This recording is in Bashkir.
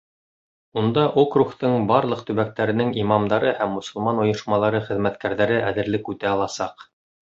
Унда округтың барлыҡ төбәктәренең имамдары һәм мосолман ойошмалары хеҙмәткәрҙәре әҙерлек үтә аласаҡ.